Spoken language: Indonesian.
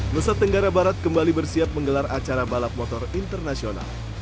nusantara barat kembali bersiap menggelar acara balap motor internasional